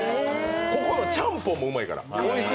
ここのちゃんぽんもうまいから。